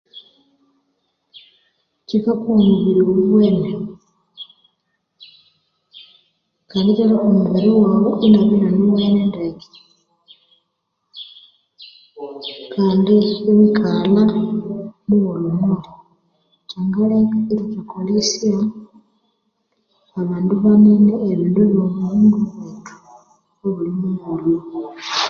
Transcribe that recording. Kyikakuha omubiri owuwene kandi ikyaleka omubiri wawu inabya inanuwene ndeke kandi iwikalha mughulhu muli, kyangaleka othuthakolesya abandu banene ebindu byomo...wethu obuli mughulhu.